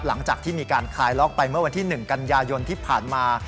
หลังจากที่มีการคลายล็อกไปเมื่อวันที่๑กันยายนที่ผ่านมา